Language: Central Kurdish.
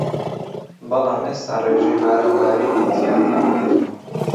بەڵام ئێستا ڕێژەی باران بارینی تیا کەم بۆتەوە